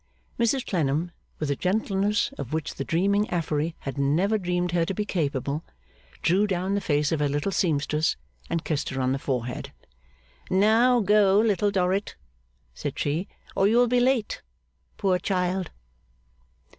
Mrs Clennam, with a gentleness of which the dreaming Affery had never dreamed her to be capable, drew down the face of her little seamstress, and kissed her on the forehead. 'Now go, Little Dorrit,' said she, 'or you will be late, poor child!